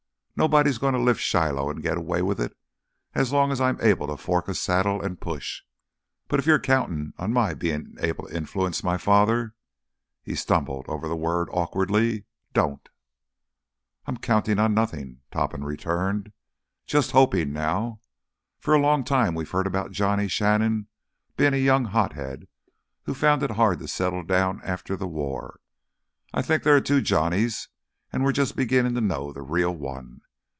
Nobody's goin' to lift Shiloh and get away with it as long as I'm able to fork a saddle and push. But if you're countin' on my bein' able to influence my—my father"—he stumbled over the word awkwardly—"don't!" "I'm counting on nothing," Topham returned. "Just hoping now. For a long time we've heard about Johnny Shannon being a young hothead who found it hard to settle down after the war. I think there are two Johnnys and we are just beginning to know the real one.